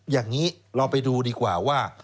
อย่างนี้เราไปดูดีกว่าว่า